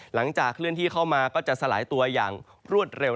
หลังจากเคลื่อนที่เข้ามาก็จะสลายตัวอย่างรวดเร็ว